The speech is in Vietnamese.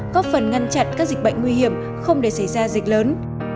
góp phần ngăn chặn các dịch bệnh nguy hiểm không để xảy ra dịch lớn